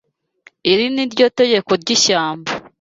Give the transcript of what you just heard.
Iri ni ryo tegeko ry’ishyamba.